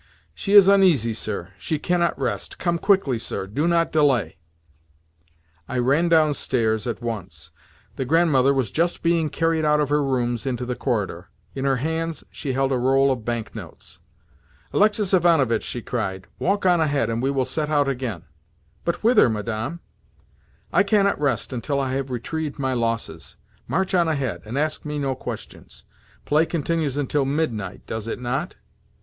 "She is uneasy, sir; she cannot rest. Come quickly, sir; do not delay." I ran downstairs at once. The Grandmother was just being carried out of her rooms into the corridor. In her hands she held a roll of bank notes. "Alexis Ivanovitch," she cried, "walk on ahead, and we will set out again." "But whither, Madame?" "I cannot rest until I have retrieved my losses. March on ahead, and ask me no questions. Play continues until midnight, does it not?"